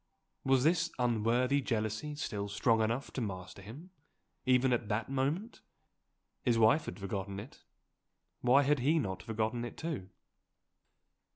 Was this unworthy jealousy still strong enough to master him, even at that moment? His wife had forgotten it. Why had he not forgotten it too?